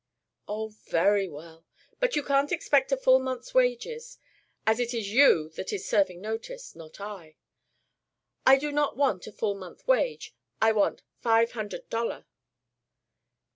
"Oh, very well. But you can't expect a full month's wages, as it is you that is serving notice, not I." "I do not want a full month wage. I want five hundert dollar."